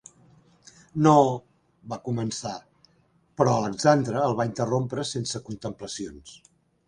"No..." va començar, però Alexandre el va interrompre sense contemplacions.